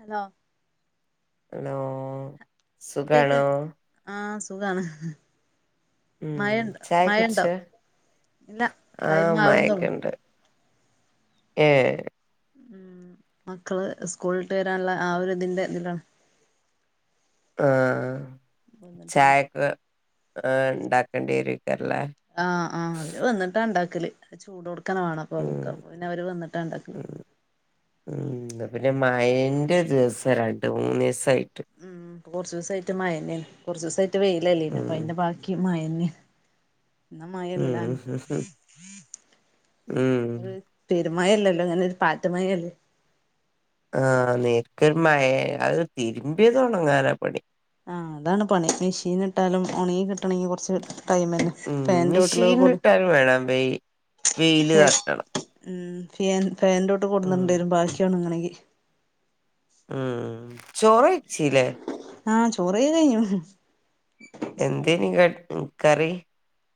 Hello hello കേക്ക് സുഖണോ ആഹ് സുഖാണ് ഉം മഴണ്ടോ ചായ കുടിച്ച മഴണ്ടോ ഇല്ല ടൈം ആഹ് ആവുന്നുള്ളൂ മായക്കുണ്ട് ഏ ഇമ് മക്കള് സ്കൂളിലട്ട് വരാനുള്ള ആ ഒരു ഇതിന്റെ ഇതിലാണ് ആ വന്നിട്ടില്ല ചായൊക്കെ ആ ഉണ്ടാക്കേണ്ടിരിക്കറല്ലേ ആഹ് ആഹ് അവര് വന്നിട്ട് ഉണ്ടാക്കല് ചൂട് കൊടുക്കണ വണ്ണം അപ്പൊ ഉം അവക്ക് പിന്നെ അവര് വന്നിട്ട് ഉണ്ടാക്കല് ഉ പിന്നെ മയന്റെ ദിവസ രണ്ട് മൂന്ന് ദിവസമായിട്ട് ഉം കുറച്ച ദിവസ ആട്ട് മനയ കുറച്ച് ദിവസമായിട്ട് വെയിയിലലീന അപ്പൊ ഉം അതിന്റെ ബാക്കി മായന്യ എന്ന മഴല്ലും ഉം ഉം പെരുമയല്ലല്ലോ ഇങ്ങനെ ഒരു പാറ്റു മയല്ലേ ആഹ്‌ നേർക്കൊരു മയെ അത് തിരുമ്പിയത് ഒണങ്ങനാ പണി ആ അതാണ് പണി മെഷീൻ ഇട്ടാലും ഉണങ്ങി കിട്ടണമെങ്കി കൊറച്ച് ടൈം തന്നെ ഉം ഫാനിന്റെ ചോട്ടിലൊക്കെ മെഷീൻ കൊടു ഇട്ടാലും വേണം വെയില് തട്ടണം ഉ ഫാൻ ഫാൻറ തോട്ട് ഉം കൊടുുന്നുട്ടുണ്ടായിരും ബാക്കിയണ ഇങ്ങനെങ്കിൽ ഉം ചോറ് ഇിച്ചല്ലേ ആഹ്‌ ചോറെയി കഴിഞ്ഞു എന്തേയിനി കറി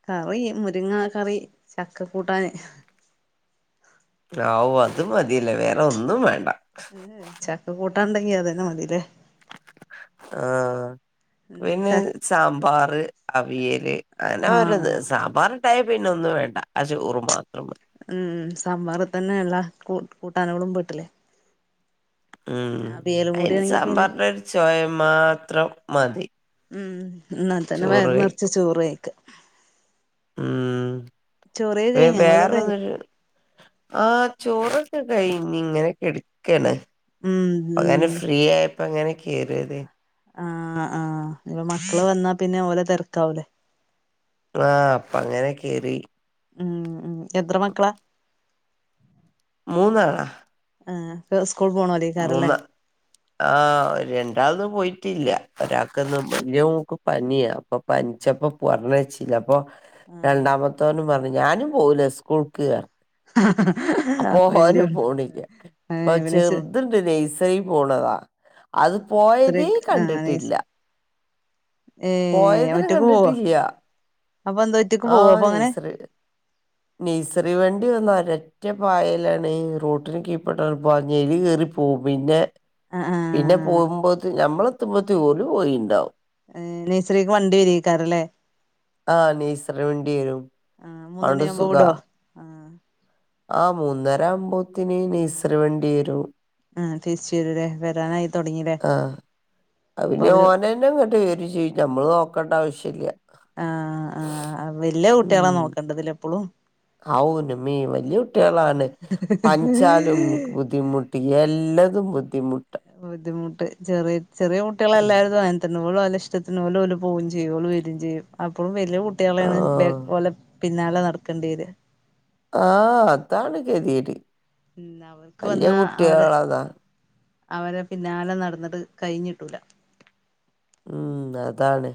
കറി മുരിങ്ങ കറി ചക്ക കൂട്ടാന് ആവു അത് മതിയല്ലേ വേറെ ഒന്നും വേണ്ട മ്മ് ചക്ക് കൂട്ടാ ഉണ്ടെങ്കി അതന്നെ മതില്ലേ ആഹ് ഉം പിന്നെ ച സാമ്പാർ അവിയല് അങ്ങനെ ഓരോന്ന് ആഹ് സാമ്പാർ തായ പിന്നെ ഒന്നും വേണ്ട ആ ചോറ് മാത്രം ഉം സാമ്പാർ തന്നെ എല്ല കൂ കൂട്ടാനകളും പെട്ടില്ലേ ഉം പിന്നെ അവിയലും കൂടി അതിന് ആണെങ്കിൽ പിന്നെ സാമ്പാറിന്റെ ഒരു ചോയ മാത്രം മതി. ഉം ന്നാൽ തന്നെ ചോറ് വയർ നിറച്ച് കഴിക്കും ചോറ് കഴിക്കാം. ഉം ചോറ് പി കഴി ഞങ്ങളത് കഴിഞ്ഞു വേറെന്നരു ആ ചോറൊക്കെ കഴിഞ്ഞി ഇങ്ങനെക്കെടകാണ്. ഉം ഉം അതന്നെ ഫ്രീ ആയപ്പോ എങ്ങനെ കേറിയത്. ആ ആ ഇനിപ്പം മക്കള് വന്നാ പിന്നെ ഓലെ തിരക്കാവൂലേ. ആ അപ്പ അങ്ങനെ കേറി ഉം ഉ എത്ര മക്കളാ. മൂന്നാളാ ആ അപ്പ സ്കൂൾ പോണ.. മൂന്ന് ആ് രണ്ടാൾന്ന് പോയിട്ടില്യ ഒരാൾക്കന്ന വല്യമോക്ക് പനിയാ അപ്പൊ. പനിച്ചപ്പോ പറഞ്ഞ അച്ചില്യ അപ്പൊ. ആഹ് രണ്ടാമത്തനും പറഞ്ഞി ഞാനും പോവുല സ്കൂൾക്ക് ന്നറ്ഞ്ഞി. വല്യ അപ്പോഓനും പോണില്ല അപ്പൊ ഏഹ് ഇവന് ചെറുത്. ഇതുണ്ട് നെയസറി പോണതാ അത് പോയതേ കണ്ടിട്ടില്ല. ഏ പോയതിനെ ഒറ്റക്ക് പോവാ അപ്പൊ എന്താ. ഒറ്റക്ക് ആ പോവോ അപ്പൊ അങ്ങനെ നെയസ്രി നൈസ്രി വണ്ടി വന്നര.. റ്റ പായലാണ് റോട്ടിന് കീപ്പട്ടങ്ങ് പഞ്ഞി എലി കേറി പോവും പിന്നെ.. ആ ആ പിന്നെ പോകുമ്പോതി ഞമ്മളത്തുമബോത്തിൻ ഓൽ പോയിണ്ടാവും. എ നെയ്സറീക്ക് വണ്ടി വിരിയക്കാറല്ലേ. ആഹ നസ്രിവേണ്ടി വരും അതോണ്ട് സുഖ.. ആ ആ മൂന്നര ആമ്പോത്തിന് നഴ്സറി വണ്ടി വരും. ആഹ തിരിച്ചവരും ലേ വരാനായി. തൊടങ്ങീലേ ആഹ ഇപ്പൊ അത്പിന്നെ അവര് ഒനെന്നെ ഇങ്ങട്ട് വരുംചെയ്യും നമ്മള് നോക്കണ്ട ആവശ്യല്യ. ആ ആ വല്യ കുട്യാള നോക്കേണ്ടതില്ലേ ഇപ്പോളും. ഹാവൂ ൻ്റെമ്മേ വല്യ കുട്ട്യേലാൻ പനിച്ചാലും ബുദ്ധിമുട്ട്. യെല്ലതും ബുദ്ധിമുട്ട. ബുദ്ധിമുട്ട ചെറിയ ചെറിയ കുട്ട്യേൽ ഉം. എല്ലാരുംതും അങ്ങനെത്തന്നെ ഓൽ ഓലഇഷ്ടത്തി ഓൽ ഓൽ പോകുംചെയ്യും ഓൽ വരൂചെയ്യു അപ്പോ വലിയ ആ കുട്ടികളെയാണ് പോലെ പിന്നാലെ നടക്കേണ്ടി വരും ആഹ് അതാണ് കെതിട്. ഉ അവർക്ക് വന്നാ അവര്. അവരെ പിന്നാലെ നടന്നിട്ട് കഴിഞ്ഞിട്ടുല്ല. ഉം അതാണ്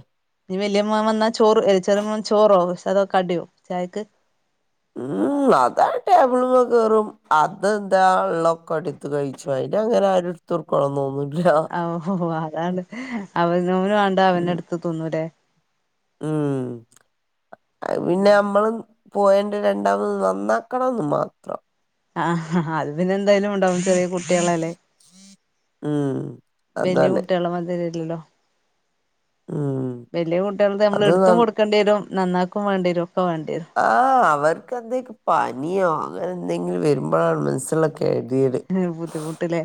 ഇനിവലിയ മോൻ വന്നാൽ ചോറ് ചെറിയമോൻ ചോറോ അതൊക്കെകടിയോ ചായക്ക്. മ്മ് അതാ ടേബിൾമെ കേറും അതെന്താ ഉള്ള ഒക്കെടി. അത്ത് കഴിച്ചു അതിനെ ആരും എടുത്തു കൊടുക്കണം ഒന്നുമില്ല ഓഓ അതാണ് അവനോനും വണ്ട അവനെടുത്ത് തിന്നുല്ലേ മ്മ് പിന്നെ ഉം നമ്മള് പോയണ്ട് രണ്ടാമത് നന്നാക്കണംന്ന് മാത്രം. ആ അത് പിന്നെ എന്തായാലും ഉണ്ടാവും ചെറിയ കു.. കുട്ടികളല്ലേ ഉം വലിയ അതാണ് കുട്ടികള മാതിരില്ലല്ലോ. ഉം വലിയ കുട്ടികൾ നമ്മൾ അത് എടുത്തും നന്ന കൊടുക്കേണ്ടി വരും നന്നാക്കും വേണ്ടി വരും ഒക്കെ വേണ്ടിരും. ആ് അവർക്ക്എന്തേലും പനിയോ അങ്ങനെ എന്തെങ്കിലും വരുമ്പോഴാണ് മനസ്സില ഗതികേട് ബുദ്ധിമുട്ടില്ലേ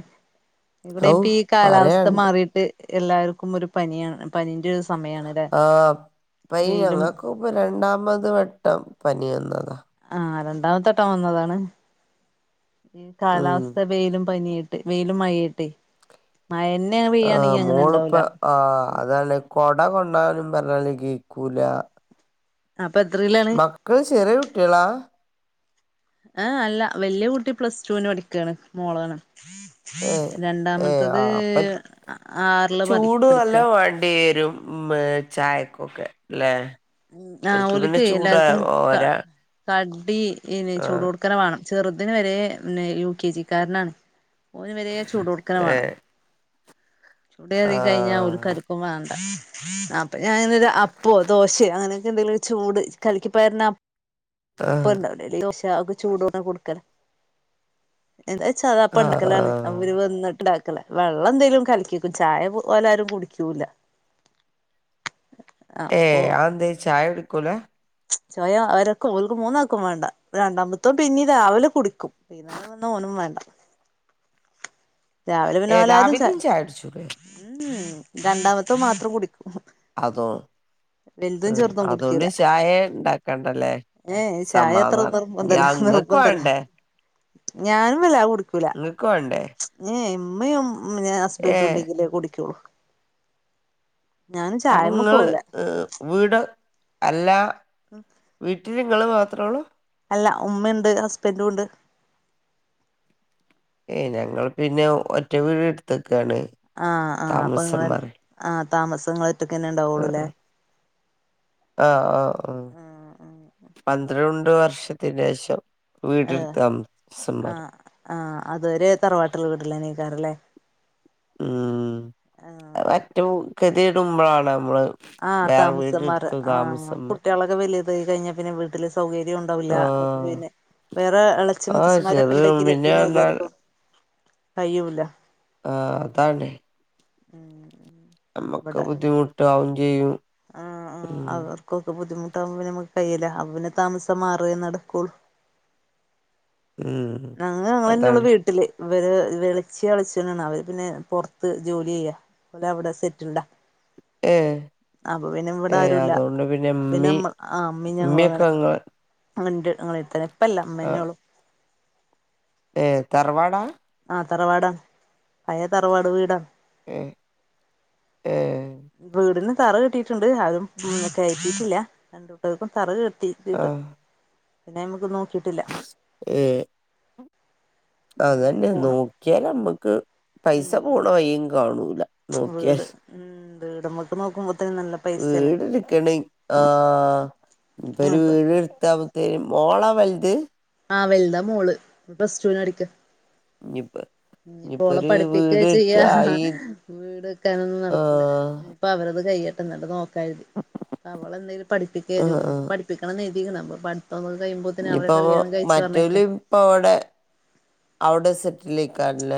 ഇവിടെ ഔ ഇപ്പ ഈ കാലാവസ്ഥ പറയാണ്ട് മാറിയിട്ട്. എല്ലാവർക്കും ഒരു പനിയാണ് പനീന്റെ സമയമാണ്. ആ് പൈ ഞങ്ങൾക്ക് ഇപ്പ രണ്ടാമത് വട്ടം പനി വന്നതാ.. ആഹ രണ്ടാമത്തെട്ടം വന്നതാണ് ഈ ഉം കാലാവസ്ഥ വെയിലും പനി വെയിലും മഴട്ടെ മഴ തന്നെണ് ആഹ മോളിപ്പ ആഹ അതല്ല കൊട കൊണ്ടാനും പറഞ്ഞാല് കേക്കൂല അപ്പൊ എത്രയിലാണ് മക്കള് ചെറിയ കുട്ടികളാ ആഹ അല്ല വല്യ കുട്ടി പ്ലസ് ടുവിന് പഠിക്കയാണ് മോളാണ് ഏ ഏ രണ്ടാമത്തത് ആ അപ്പൊ ആറില് പ പഠിക്കാണ് പടേരും മ്മ് ചായക്കക്കെ ലെ ഉ ആഹ് ഓലക്ക് എല്ലാർക്കും ക ഓര കടി പിന്നെ ചൂട് ആഹ് കൊടുക്ക ഉക്കനെ വേണം ചെറുതിന് വരെന്ന യു കെ ജിക്കാരനാണ് ഓന് വരെ ചൂടോടുക്കന വേണം ഏഹ് ചൂട കറ കഴിഞ്ഞാ ഒരു ആഹ് കരുക്കും വേണ്ട അപ്പൾ ഞാനൻ എന്നരു അപ്പോ ദോശയ അങ്ങനെയൊക്കെ എന്തെങ്കിലും ചൂട് കലക്കിപ്പയിന്ന അപ്പ ഇപ്പ ആഹ് ഇണ്ടാവില്ലേ ഇഡലി യോശ അവക്ക് ചൂട ഒന്ന കൊടുക്കല എന്താച്ചാതാ അപ്പ ഉണ്ടക്കലാണ് ആഹ് അവര് വന്നിട്ട് ഇണ്ടാക്കല വെള്ളം എന്തെങ്കലും കലക്കി ചായ ഓലരും കുടിക്കൂല ഏയ് അതെന്തേ ചായ കുടിക്കൂല്ല ചോയ അവരൊക്കെ ഓക്ക് മൂന്നാക്കും വേണ്ട രണ്ടാമത്തും പിന്നീ രാവിലെ കുടിക്കും ഞും വന്ന ഓന്നും വേണ്ട രാവിലെ പി ഏഹ് നാലായിരും ച രാവിലിം ചായ കുടിച്ചൂടെ ഉ രണ്ടാമത്തെ മാത്രം കുടിക്കും അതോ വലുതും ഉം ചെറുതും അതുകൊണ്ട് ചായ ഉണ്ടാക്കണ്ടല്ലേ ഏയ് ചായ അത്ര നിർഭന്തല്ലോ നിർബന്തല്ല വേണ്ടേ ഞാനുംല്ല ആ കുടിക്കൂല നിങ്ങക്ക് വേണ്ടേ ഇമ്മയും ഹസ്ബൻറും ഏഹ് ഉണ്ടെങ്കിലെ കുടികുളൂ അപ്പൊ നിങ്ങള് പോവൂല വീട് അല്ല ആഹ വീട്ടിൽ നിങ്ങെ മാത്രേ ഉള്ളു അല്ല ഉമ്മുണ്ട് ഹസ്ബൻന്റു ഉണ്ട് ഏയ് ഞങ്ങൾ പിന്നെ ഒറ്റ വീട് എടുത്തക്കാണ് ആഹ് ആഹ് അപ്പൊ നിങ്ങൾ ആ് താമസങ്ങളറ്റൊക്കെ തന്നെ ഉണ്ടാവുള്ളൂ അല്ലേ ആഹ ആഹ മ്മ് ആഹ് ആഹ് പന്ത്രണ്ട് വർഷത്തിനേഷം ഏഹ് ആഹ് ആഹ് അത് വരെ തറവാട്ട്ള്ള വീട്ടിലേന്നേക്കാരല്ലേ ഉം അത് ആഹ് പറ്റ കെതിയേടുമ്പളാണ് നമ്മള് ആഹ് വേറെ താമസം മാറാ വീടെടുത്ത് ആഹ് താമസം മാറി കുട്ട്യാളൊക്കെ വലിതായി കഴിഞ്ഞ പിന്നെ വി ട്ടില് സൗകര്യം ഉണ്ടാവൂല ആഹ് അപ്പപിന്നെ വേറെ എളച്ചി ആഹ് ചെറിയ മുത്തച്ഛിമാരോക്കെണ്ടെങ്കില് പിന്നെ പറഞ്ഞാൽ എല്ലാർക്കും കയ്യുല്ല ആഹ് അതാണെ ഉം ഉം നമ്മക്ക് ബുദ്ധിമുട്ടാവും ചെയ്യും ആഹ് ഉം ആഹ് അവർക്കൊക്കെ ബുദ്ധിമുട്ടാവുമ്പോ നമക്ക് കയ്യില്ല അപ്പപിന്നെ താമസം മാറേ നടക്കൊള്ളൂ ഉം ഞങ്ങ ഞങ്ങളെനൊള്ളൂ അതാണ് വീട്ട്ല് ഇവര് എളച്ചി എളച്ചനാണ് അവര് പിന്നെ പൊറത്ത് ജോലിയ്യാ ഓല് അവിടെ സെറ്റിൽഡാ ഏഹ് അപ്പൊ പിന്നെ ഇവിടെ ഏഹ് ആരുല്ല അതുകൊണ്ട് പിന്നെ ഇമ്മീം നമ്മ ആഹ് അമ്മീ ഞങ്ങളും അങ്ങനെ ഇമ്മയൊക്കെ ഇങ്ങളെ [unintelligible] ഞങ്ങളെട്ത്തന്നെ ഇപ്പല്ല ആഹ് ഇമ്മന്നോള്ളു ഏഹ് തറവാടാ ആഹ് തറവാടാ പഴേ തറവാട് വീടാ ഏഹ് ഏഹ് വീടിന് തറ കെട്ടീട്ട്ണ്ട് അതും കയറ്റീട്ടില്ല രണ്ടൂട്ടർക്കും തറ കെ കിട്ടീട്ട് ആഹ് പിന്നെ അയമക്കൊന്നും നോക്കിട്ടില്ല ഏഹ് പിന്നെ അങ്ങനെ അതന്നെ പോണ് നോക്കിയാല് നമ്മക്ക് ഉം പൈസ പോണ വഴിം കാണൂല നോക്കിയാൽ വീട് ഉം വീട്മ്മക്ക് നോക്കുമ്പോത്തിന് നല്ല പൈസല്ലേ വീട് ഇട്ക്ക്ണ് ആഹ് ഇപ്പൊര് വീട് ഇട്ത്താ ത് മോളാ വെല്ത് ആഹ് വല്താ മോള് പ്ലസ്റ്റൂന് പഠിക്കാ ഇഞ്ഞ്പ്പ ഇഞ്ഞ്പ്പോളെ പഠിപ്പിക്കാ ചെയ്യാ വീട് വെക്കാനൊന്നും നടക്കൂല ആഹ് ഇപ്പവരത് കയ്യട്ടെ ഇന്നട്ട് നോക്കാര്തി അവളെന്തേലും പഠിപ്പിക്കേ ആഹ് ജോലിക്ക് ആഹ് പഠി പ്പിക്കണം എയ്തിക്ണ് അപ്പൊ പഠിത്തൊക്കെ കഴിയുമ്പോക്ന്നെ അവരെ കല്യാണം കഴിച്ച് മറ്റേല് പറഞ്ഞയക്കണം ഇപ്പൊവ്ടെ അവിടെ സെറ്റില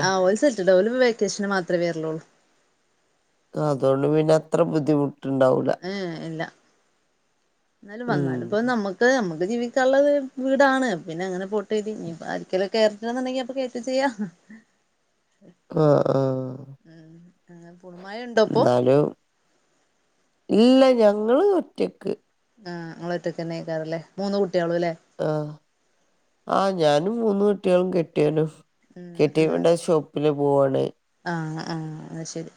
ആഹ് ഓല് സെറ്റിൽഡാ ഓല്പ്പൊ വെക്കേഷന് മാത്രേ വെറ്ലൊള്ളു അതൊണ്ട് പിന്നെ അത്ര ബുദ്ധിമുട്ട്ണ്ടാവൂല ഏഹ് ഇല്ല എന്നാലും ഉം വന്നാല്പ്പൊ നമ ത്ത് ഞമ്മക്ക് ജീവിക്കാള്ളത് വീടാണ് പിന്നെ അങ്ങനെ പോട്ടെര്തി ഇനിപ്പോ ആർക്കേലൊക്കെ ക്കാന്ന്ണ്ടെങ്കി അപ്പൊ കേറ്റും ചെയ്യാ ആഹ് ആഹ് ഉം ഉം പുള്മഴ ഇന്നാലും ഇല്ല ഞങ്ങള് ഒറ്റക്ക് ആഹ് ഇങ്ങള് ഒറ്റൊക്കന്നെക്കാരം ലേ മൂന്ന് കുട്ട്യേളും ലേ ആഹ് ആഹ് ഞാനും മൂന്ന് കുട്ട്യേളും കെട്ട്യോനും ഉം ഉം കെറ്റീവിന്റെ ഷോപ്പില് പോവാണ് ആഹ് ആഹ് ശെരി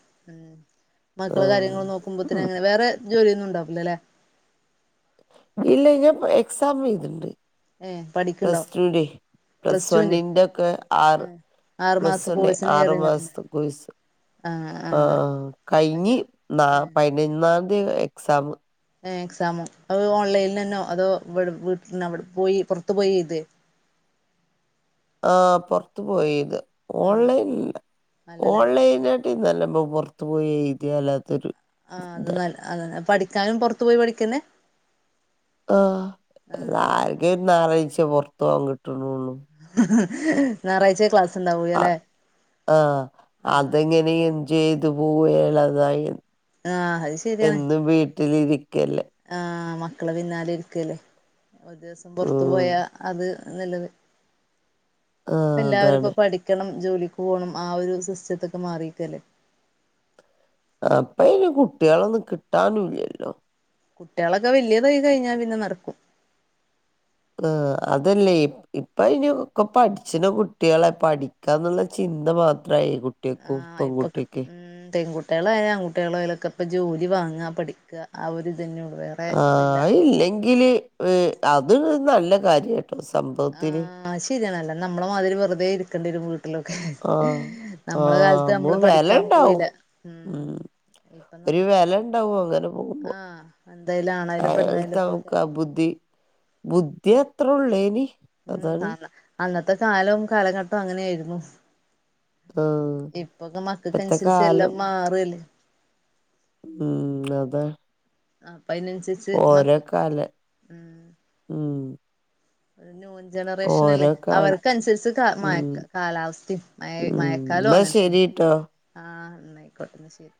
മക്കളെ കാര്യങ്ങള് നോ ആഹ് കുംബത്തിങ്ങനെ വേറെ ജോലിയൊന്നും ഉണ്ടാവൂലല്ലേ ഇല്ല ഞാൻ എക്സാം എഴുതിണ്ട് ഏഹ് പഠിക്ക്ണ്ടോ പ്ലസ് വണ്ണിന്റോക്കെ ആർ ഏഹ് ആറു പ്ലസ് മാസം വണ്ണ് കോഴ്സിന് ആറ് കേറിന്നിട്ടുണ്ട് മാസത്തെ കോഴ്സ് ആഹ് ആഹ് അത് കഴിഞ്ഞ് നാ ഏഹ് പതിനൊന്നാതീ എക്സാമ് ഏഹ് എക്സാമോ അത് ഓൺലൈലെനോ അതോ ഇവടെ വീട്ട്ന്ന് അവടെ പോയി പൊറത്തു പോയി എഴ്തേ ആ പുറത്ത് പോയ് എഴ്ത ആഹ് ഓൺലൈനല്ല അല്ലല്ലേ ഓൺലൈന ഇന്നല്ലെപ്പൊ പൊറത്ത് പോയ് എഴ്തിയ അല്ലാത്തൊര് ആഹ് അത് നല്ല അതന്നെ പഠിക്കാനും പൊറത്തു പോയി പഠിക്കന്നെ ആഹ് ആകെ ഒരു ഞായറാഴ്ച്ചെ പൊറ്ത്തോകാൻ കിട്ട്ണോള്ളൂ ഞായറാഴ്ച്ച ക്ലാസ്സ് ഉണ്ടാവൂലല്ലേ ആഹ് ആഹ് അതെങ്ങനെ എൻജോയ് ചെയ്ത് പോവല്ലാതായി ആഹ് അത് ശരിയാണ് എന്നും വീട്ടിലിരിക്കല്ലേ ആഹ് മക്കള പിന്നാലെ ഇരിക്കല്ലേ ഒരീസം പൊറ്ത്ത് ഉം പോയാ അത് നല്ലത് ആഹ് എല്ലാവരും അതാണ് ഇപ്പൊ പഠി ക്കണം ജോലിക്ക് പോണം ആ ഒരു സിസ്റ്റ്ത്ത്ക്ക് മാറിക്കല്ലേ ഇപ്പയ്ന് കുട്ട്യേളൊന്നും കിട്ടാനുല്ലല്ലോ കുട്ട്യേളോക്കെ വല്ല്യതായി കഴിഞ്ഞാ പിന്നെ നടക്കും ആഹ് അതല്ലേ ഇപ്പയിന് ഒക്കെ പഠിച്ച്ണ കുട്ട്യാള പഠി ക്കാന്ന്ള്ള ചിന്ത മാത്രായി കുട്ട്യേക്കും പെൺകുട്ടിക്കേ കുട്ട്യാളായാ ആൺകുട്ട്യളായാലൊക്കെ ഇപ്പോ ജോലി വാങ്ങാ പഠിക്ക ആ ഒര്തെന്നൊള്ളു വേറേ ആഹ് അത് ഇല്ലെങ്കില് ഏഹ് അത് നല്ല കാര്യാട്ടോ സംഭ ആഹ് അത് ശരിയാണ് അല്ല നമ്മള മാതിരി വെറ്തെ ഇരിക്കേണ്ടി വരും വീ ലൊക്കെ ആഹ് നമ്മള ആഹ് കാലത്ത് നമ്മ നമ്മള് വില പഠിക്കാൻ ഉണ്ടാവും പോയില്ല മ്മ് ഉം ഇപ്പൊ ഒരു നമ്മ വില ഉണ്ടാവും അങ്ങനെ പോകുമ്പോ ആഹ് എന്തായാലും ആണായാലും പെണ്ണായാലും അയാളത്തെ ഇപ്പൊക്കെ നമുക്ക് ആ ബുദ്ധി ബുദ്ധി അത്രോള്ളേനി ഉം സാരല്ല അന്നത്തെ കാലും കാലഘട്ടവും അങ്ങനായിരുന്നു ആഹ് ഇപ്പൊക്കെ മക്കക്ക് ഇപ്പത്തെ അന്സരിച്ച് കാലം എല്ലാം മാറല്ലേ ഉം അതെ അപ്പ അയിനന്സര് ഓരോ കാല ഉം ന്യൂൻജനറേഷനല്ലേ ഓരോ കാലം അവർക്കന്സരിച്ച് ക മയ ഉം കാലാവസ്ഥിം മഴ മഴക്കാല ഇന്നാ ശെരിട്ടോ ആഹ് ഇന്നാ ആയിക്കോട്ടേന്നാ ശെരി